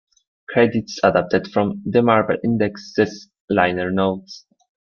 Credits adapted from "The Marble Index"'s liner notes.